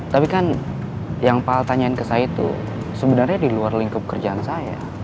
tapi kan yang pal tanyain ke saya tuh sebenarnya di luar lingkup kerjaan saya